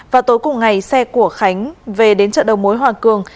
vào tối cùng ngày xe của khánh về đến chợ đầu mối hoàng cường